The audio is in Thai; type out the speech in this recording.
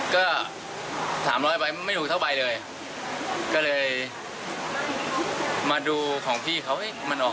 ก็๓๐๐บาทไม่ถูกเท่าไปเลยก็เลยมาดูของพี่เขาเฮ้ยมันออก๕๑๐